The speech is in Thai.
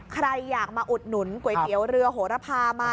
ใครอยากมาอุดหนุนก๋วยเตี๋ยวเรือโหระพามา